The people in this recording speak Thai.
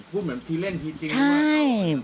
พูดเหมือนพี่เล่นพี่จริง